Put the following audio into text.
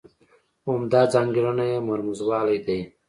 عمده ځانګړنه یې مرموزوالی دی.